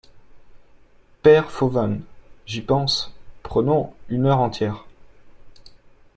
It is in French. Père Fauvent, j'y pense, prenons une heure entière.